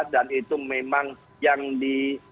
dan itu memang yang di